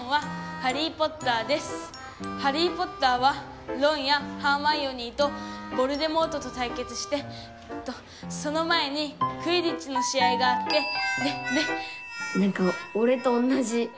『ハリー・ポッター』はロンやハーマイオニーとヴォルデモートとたいけつしてえっとその前にクィディッチの試合があってでで」。